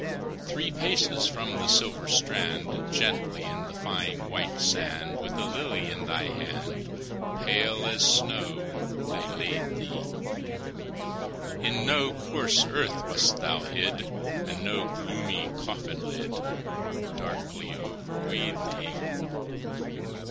Three paces from the silver strand, Gently in the fine, white sand, With a lily in thy hand, Pale as snow, they laid thee; In no coarse earth wast thou hid, And no gloomy coffin lid Darkly overweighed thee.